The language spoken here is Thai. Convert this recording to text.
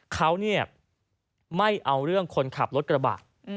เขาไม่เอาเรื่องคนขับรถกระบะ